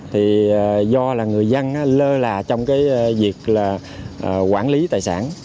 thì do là người dân lơ là trong cái việc là quản lý tài sản